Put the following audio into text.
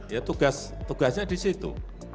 ya tugasnya di situ